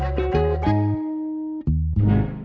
tidak ada apa apa